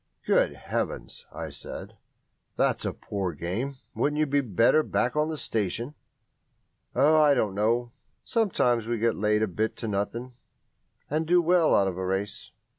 "Good Heavens!" I said, "that's a poor game. Wouldn't you be better back on the station?" "Oh, I don't know sometimes we get laid a bit to nothing, and do well out of a race.